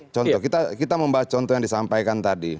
contoh kita membahas contoh yang disampaikan tadi